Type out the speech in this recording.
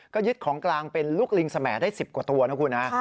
ก็ยึดของกลางเป็นลูกลิงสมได้๑๐กว่าตัวนะคุณฮะ